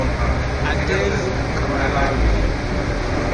Atendu, kamaradoj!